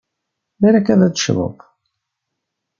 Balak ad teccḍeḍ!